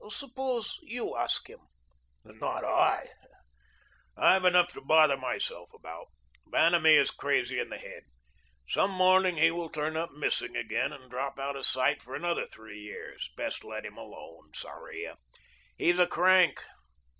Suppose you ask him?" "Not I. I've enough to bother myself about. Vanamee is crazy in the head. Some morning he will turn up missing again, and drop out of sight for another three years. Best let him alone, Sarria. He's a crank.